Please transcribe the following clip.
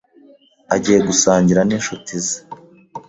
agiye gusangira n’inshuti ze,